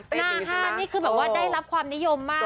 น่าห่านนี่คือแบบได้รับความนิยมมาก